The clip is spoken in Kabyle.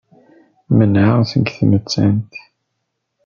Menɛeɣ seg tmettant.